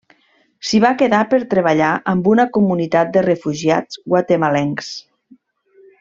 S'hi va quedar per treballar amb una comunitat de refugiats guatemalencs.